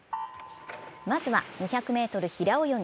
まずは２００ｍ平泳ぎ。